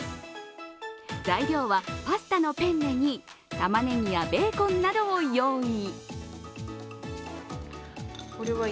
材料はパスタのペンネにたまねぎやベーコンなどを用意。